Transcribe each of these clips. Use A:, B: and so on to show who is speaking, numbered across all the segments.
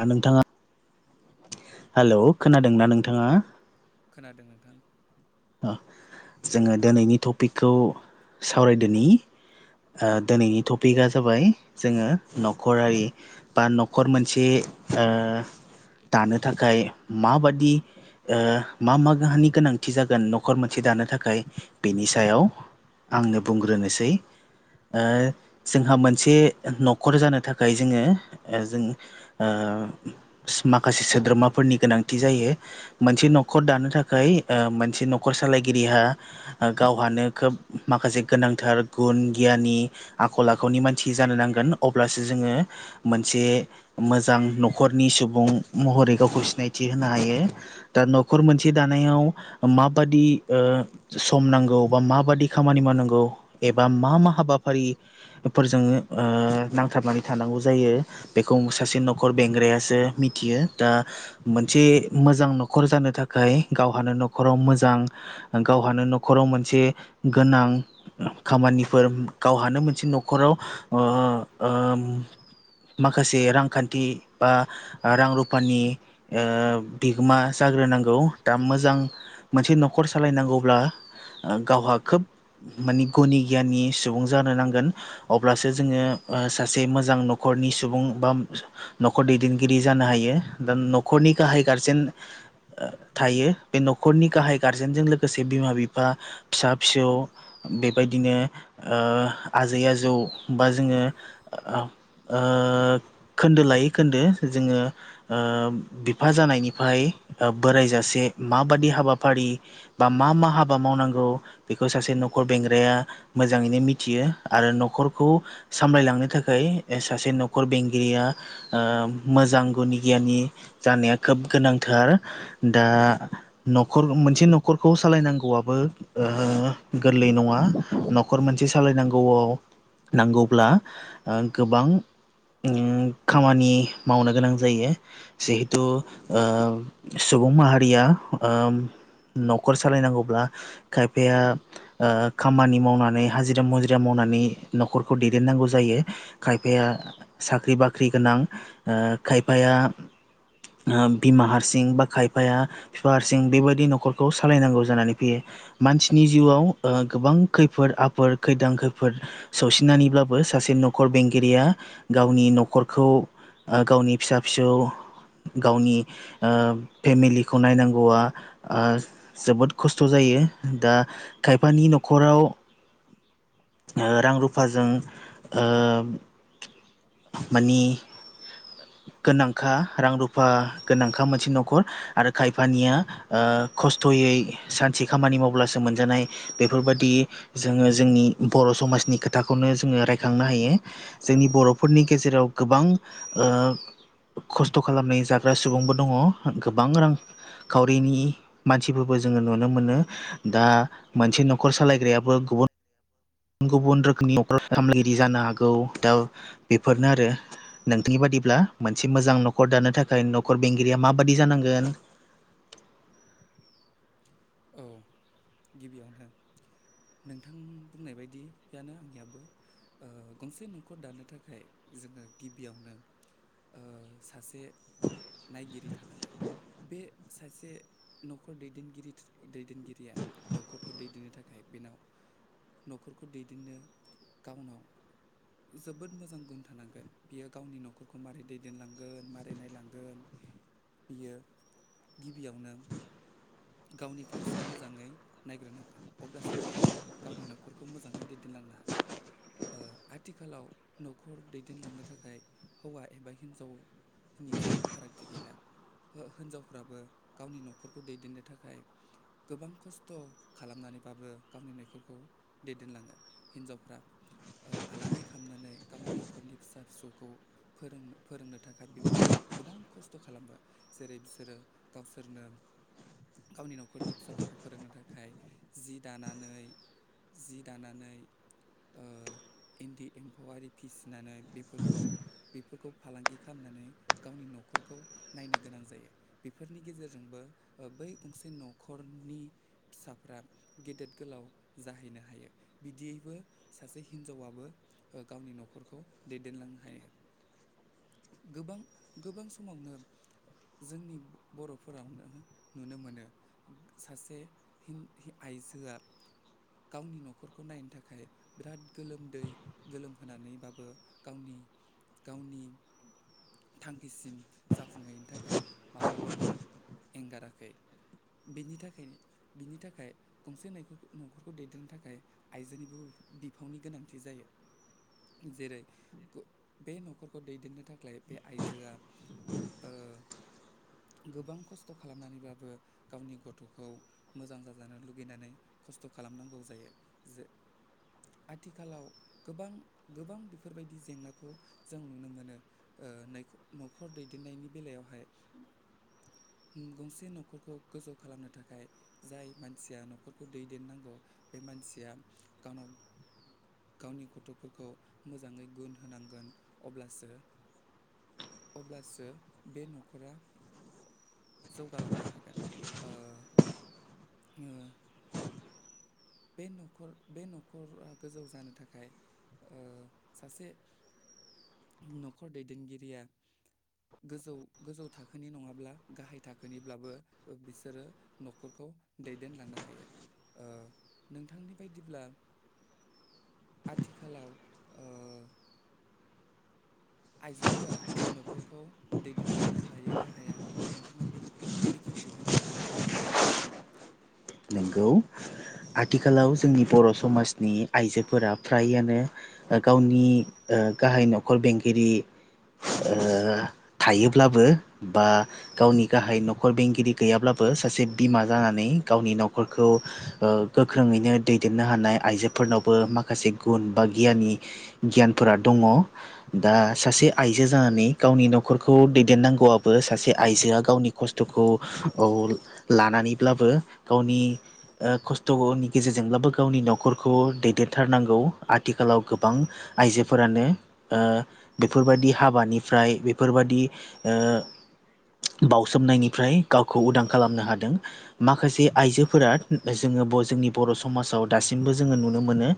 A: दा नोंथाङा। हेल' खोनादोंना नोंथाङा?
B: खोनादों नोंथां।
A: ओ जोङो दिनैनि टपिकखौ सावरायदोनि। ओ दिनैनि टपिकआ जाबाय जोङो न'खरारि बा न'खर मोनसे ओ दानो थाखाय माबादि ओ मा-मा गाहायनि गोनांथि जा गोन न'खर मोनसे दानो थाखाय बिनि सायाव आंनो बुंग्रोनोसै। ओ जोंहा मोनसे न'खर जानो थाखाय जोङो ओ जों ओ माखासे सोद्रोमाफोरनि गोनांथि जायो। मोनसे न'खर दानो थाखाय ओ मोनसे न'खर सालायगिरिहा गावहानो खोब माखासे गोनांथार गुन गियानि आखल-आखुनि मानसि जानो नांगोन अब्लासो जोङो मोनसे मोजां न'खरनि सुबुं महरै गावखौ सिनायथि होनो हायो। दा न'खर मोनसे दानायाव माबादि ओ सम नांगौ बा माबादि खामानि मावनांगौ एबा मा-मा हाबाफारि फोरजोंनो ओ नांथाबनानै थानांगौ जायो। बेखौ सासे न'खर बेंग्रायासो मिथियो दा मोनसे मोजां न'खर जानो थाखाय गावहानो न'खराव मोजां गावहानो न'खराव मोनसे गोनां खामानिफोर गावहानो मोनसे न'खराव ओ उम। माखासे रांखान्थि बा रां रुफानि ओ बिगोमा जाग्रोनांगौ दा मोजां मोनसे न'खर सालायनांगौब्ला ओ गावहा खोब माने गुनि-गियानि सुबुं जानो नांगोन। अब्लासो जोङो ओ सासे मोजां न'खरनि सुबुं बा न'खर दैदेनगिरि जानो हायो दा न'खरनि गाहाय गारजेन ओ थायो बे न' खरनि गाहाय गारजेनजों लोगोसे बिमा-बिफा, फिसा-फिसौ बेबायदिनो ओ आजै-आजौ बा जोङो ओ ओ खोन्दो लायै खोन्दो जोङो ओ बिफा जानायनिफ्राय ओ बोरायजासे माबादि हाबाफारि बा मा-मा हाबा मावनांगौ बेखौ सासे न'खर बेंग्राया मोजाङैनो मिथियो आरो न'खरखौ सामलायलांनो थाखाय ए सासे न'खर बेंगिरिया ओ मोजां गुनि-गियानि जानाया खोब गोनांथार दा न'खर मोनसे न'खरखौ सालायनांगौआबो ओ गोरलै नङा न'खर मोनसे सालायनांगौआव नांगौब्ला ओ गोबां उम खामानि मावनो गोनां जायो। जिहेतु ओ सुबुं माहारिया उम न'खर सालायनांगौब्ला खायफाया ओ खामानि मावनानै हाजिरा-मुजिरा मावनानै न'खरखौ दैदेननांगौ जायो। खायफाया साख्रि-बाख्रि गोनां ओ खायफाया ओ बिमा हारसिं बा खायफाया बिफा हारसिं बेबायदि न'खरखौ सालायनांगौ जानानै फैयो। मानसिनि जिउआव ओ गोबां खैफोद-आफोद खैदां-खैफोद सौसिनानैब्लाबो सासे न'खर बेंगिरिया गावनि न'खरखौ ओ गावनि फिसा-फिसौ गावनि ओ फेमिलिखौ नायनां गौवा ओ जोबोद खस्थ' जायो दा खायफानि न'खराव ओ रां रुफाजों ओ मानि गोनांखा रां रुफा गोनांखा मोनसे न'खर आरो खायफानिया ओ खस्थ'यै सानसे खामानि मावब्लासो मोनजानाय बेफोरबायदि जोङो जोंनि बर' समाजनि खोथाखौनो जोङो रायखांनो हायो। जोंनि बर'फोरनि गेजेराव गोबां ओ खस्थ' खालामनाय जाग्रा सुबुंबो दङ। गोबां रांखावरिनि मानसिफोरबो जोङो नुनो मोनो दा मोनसे न'खर सालायग्रायाबो गुबुन गुबुन रोखोमनि नखर खामलायगिरि जानो हागौ दा बेफोरनो आरो। नोंथांनि बादिब्ला मोनसे मोजां न'खर दानो थाखाय न'खर बेंगिरिया माबादि जानांगोन
B: [inaudible] औ गिबियावनो नोंथां बुंनाय बायदियानो आंनियाबो ओ गंसे नखर दानो थाखाय जोङो गिबियावनो ओ सासे नायगिरि थानांगोन। बे सासे न'खर दैदेनगिरि दैदेनगिरिया न'खरखौ दैदेननो थाखाय बेनाव न'खरखौ दैदेननो गावनाव जोबोद मोजां गुन थानांगोन बियो गावनि न'खरखौ मारोरै दैदेनलांगोन मारोरै नायलांगोन। बियो गिबियाव नों गावनि फारसे मोजाङै नायग्रोनांगोन अब्लासो बियो गावनि न'खरखौ मोजाङै दैदेनलांनो हागोन। ओ आथिखालाव न'खर दैदेनलांनो थाखाय हौवा एबा हिन्जाव नि जेबो फारागथि गैला हिनजावफ्राबो गावनि न'खरखौ दैदेननो थाखाय गोबां खस्थ' खालामनानैबाबो गावनि नखरखौ दैदेनलाङो। हिनजावफ्रा ओ फालांगि खालामनानै गावनि न'खरनि फिसा फिसौखौ फोरोंनो फोरोंनो थाखाय बिबां गोबां खस्थ' खालामबाय। जेरै बिसोरो गावसोरनो गावनि न'खरनि फिसाफोरखौ फोरोंनो थाखाय जि दानानै जि दानानै ओ इन्दि एम्फौआरि फिसिनानै बेफोरखौ बेफोरखौ फालांगि खालामनानै गावनि न'खरखौ नायनो गोनां जायो। बेफोरनि गेजेरजोंबो बै गंसे न'खरनि फिसाफ्रा गेदेर गोलाव जाहैनो हायो। बिदिबो सासे हिनजावआ बो ओ गावनि न'खरखौ दैदेनलांनो हायो। गोबां गोबां समावनो जोंनि बर'फोरावनो नुनो मोन सासे हिन-हिन आइजोआ गावनि न'खरखौ नायनो थाखाय बिराद गोलोमदै गोलोमहोनानैबाबो गावनि-गावनि थांखिसिम जाफुंहैनि थाखाय माब्लाबाबो एंगाराखै। बेनि थाखाय बेनि थाखाय गंसे [unintelligible] न'खरखौ दैदेननो थाखाय आइजोनिबो बिफावनि गोनांथि जायो। जेरै बे न'खरखौ दैदेननो थाखाय बे आइजोआ ओ गोबां खस्थ' खालामनानैबाबो गावनि गथ'खौ मोजां जाजानो लुगैनानै खस्थ' खालामनांगौ जायो जे आथिखालाव गोबां गोबां बेफोरबायदि जेंनाखौ जों नुनो मोनो ओ नै-नखर दैदेननायनि बेलायावहाय गंसे न'खरखौ गोजौ खालामनो थाखाय जाय मानसिया न'खरखौ दैदेननांगौ बे मानसिया गावनाव गावनि गथ'फोरखौ मोजाङै गुन होनांगोन अब्लासो अब्लासो बे न'खरा जौगालांनो हागोन ओ ओ बे न'खर बे न'खरा गोजौ जानो थाखाय सासे न'खर दैदेनगिरिया गोजौ गोजौ थाखोनि नङाब्ला गाहाय थाखोनिब्लाबो बिसोरो न'खरखौ दैदेनलांनो हायो ओ नोंथांनि बायदिब्ला आथिखालाव ओ आइजोफोरा न'खरखौ दैदेनलांनो हायो ना हाया नोंथाङा बिनि बेखेवथि होनो हागोन नामा?
A: नंगौ आथिखालाव जोंनि बर' समाजनि आइजोफोरा फ्रायानो ओ गावनि ओ गाहाय न'खर बेंगिरि ओ थायोब्लाबो बा गावनि गाहाय न'खर बेंगिरि गैयाब्लाबो सासे बिमा जानानै गावनि न'खरखौ ओ गोख्रोङैनो दैदेननो हानाय आइजोफोरनावबो माखासे गुन बा गियानि गियानफोरा दङ' दा सासे आइजो जानानै गावनि नख खरखौ दैदेननांगौआबो सासे आइजोआ गावनि खस्थ'खौ औ लानानैब्लाबो गावनि ओ खस्थ'नि गेजेरजोंब्लाबो गावनि न'खरखौ दैदेनथारनांगौ आथिखालाव गोबां आइजोफोरानो ओ बेफोरबायदि हाबानिफ्राय बेफोरबायदि ओ बावसोमनायनिफ्राय गावखौ उदां खालामनो हादों माखासे आइजोफोरा जोङो ब जोंनि बर' समाजाव दासिमबो जोङो नुनो मोनो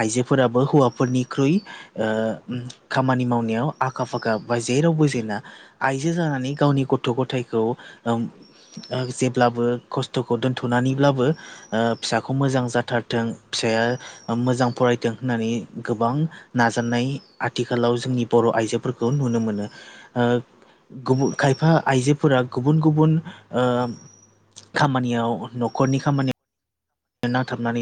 A: आइजोफोराबो हौवाफोरनिख्रुइ ओ खामानि मावनायाव आखा फाखा बा जेरावबो जेना आइजो जानानै गावनि गथ' गथायखौ उम उम जेब्लाबो खस्थ' खौ दोनथ'नानैब्लाबो ओ फिसाखौ मोजां जाथारथों फिसाया मोजां फरायदों होननानै गोबां नाजानाय आथिखालाव जोंनि बर' आइजोफोरखौ नुनो ओ गुबुन खायफा आइजोफोरा गुबुन गुबुन ओ खामानि याव न'खरनि खामानि नांथाबनानै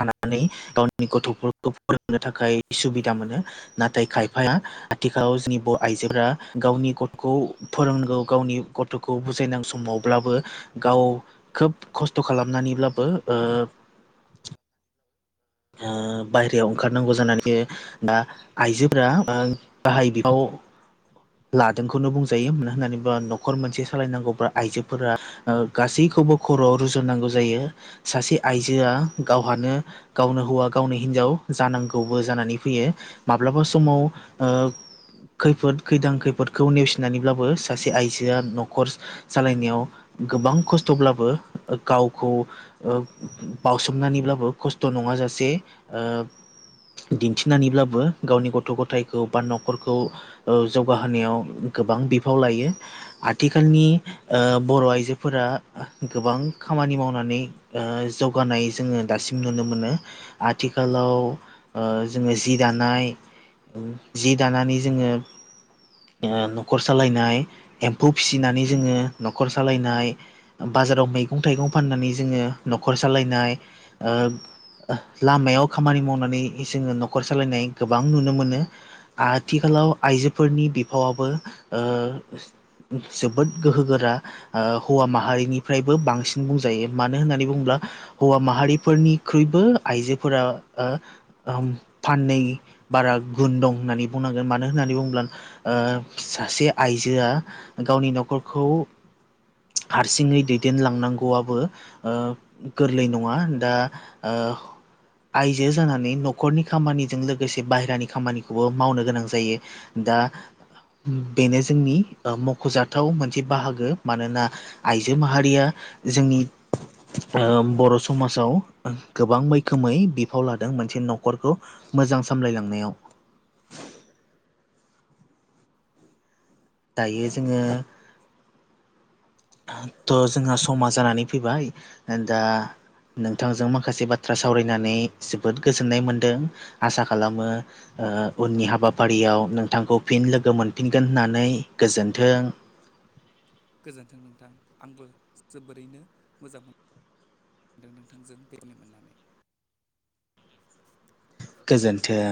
A: थानानै गावनि गथ'फोरखौ फोरोंनो थाखाय सुबिदा मोनो नाथाय खायफाया आथिखालाव जोंनि बर' आइजोफोरा गावनि गथ'खौ फोरोंगौ गावनि गथ' गथ'खौ बुजायनां समावब्लाबो गाव खोब खस्थ' खालामनानैब्लाबो ओ ओ बाहेरायाव ओंखारनांगौ जानानै फैयो दा आइजोफोरा बाहाय बिफाव लादोंखौनो बुंजायो मानो होननानै बा न'खर मोनसे सालायनांगौब्ला आइजोफोरा गासैखौबो खर'आव रुजुननांगौ जायो सासे आइजोआ गावहानो गावनो हौवा गावनो हिन्जाव जानांगौबो जानानै फैयो माब्लाबा समाव ओ खैफोद खैदां खैफोदखौ नेवसिनानैब्लाबो सासे आइजोआ न'खर सालायनायाव गोबां खस्थ'ब्लाबो गावखौ ओ बाउसोमनानैब्लाबो खस्थ' नङाजासे ओ दिन्थिनानैब्लाबो गावनि गथ' गथायखौ बा न'खरखौ। ओ जौगाहोनायाव गोबां बिफाव लायो आथिखालनि। ओ बर' आइजोफोरा गोबां खामानि मावनानै। ओ जौगानाय जोङो दासिम नुनो मोनो आथिखालाव ओ जोङो जि दानाय। जि दानानै जोङो। ओ न'खर सालायनाय एम्फौ फिसिनानै जोङो न'खर सालायनाय। बाजाराव मैगं थाइगं फाननानै जोङो न'खर सालायनाय ओ लामायाव खामानि मावनानै जोङो न'खर सालायनाय गोबां नुनो मोनो। आथिखालाव आइजोफोरनि बिफावआबो ओ जोबोद गोहो गोरा। हौवा माहारिनिफ्रायबो बांसिन बुंजायो मानो होननानै बुङोब्ला हौवा माहारिफोरनि। ख्रुइबो आइजोफोरा ओ हम फाननै बारा गुन दं होननानै बुंनांगोन मानो होननानै बुङोब्ला। ओ सासे आइजोआ गावनि न'खरखौ। हारसिङै दैदेनलांनांगौआबो ओ गोरलै नङा दा। ओ आइजो जानानै न'खरनि खामानिजों लोगोसे बाहेरानि खामानिखौबो मावनो गोनां जायो दा। बेनो जोंनि ओ मख'जाथाव मोनसे बाहागो मानोना। आइजो माहारिया जोंनि ओ बर' समाजाव। गोबां मैखोमै बिफाव लादों मोनसे न'खरखौ मोजां सामलायलांनायाव। दायो जोङो। थ' समा जानानै फैबाय‌ दा। नोंथांजों माखासे बाथ्रा सावरायनानै जोबोद गोजोननाय मोनदों। आसा खालामो उननि हाबाफारियाव नोंथांखौ फिन लोगो मोनफिन। होननानै गोजोन्थों
B: गोजोन्थों नोंथां आंबो जोबोरैनो मोजां मोन। मोनदों नोंथांजों बेरायनो मोननानै।
A: गोजोन्थों।